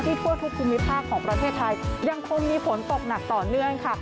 ทั่วทุกภูมิภาคของประเทศไทยยังคงมีฝนตกหนักต่อเนื่องค่ะ